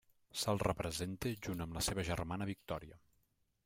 Se'l representa junt amb la seva germana Victòria.